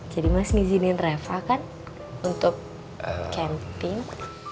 jadi mas izinin reva kan untuk camping